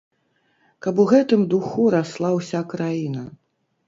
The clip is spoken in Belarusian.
Каб у гэтым духу расла ўся краіна.